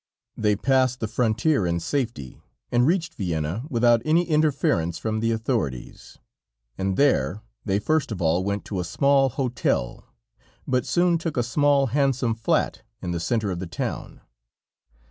They passed the frontier in safety, and reached Vienna without any interference from the authorities; and there they first of all went to a small hotel, but soon took a small, handsome flat in the center of the town.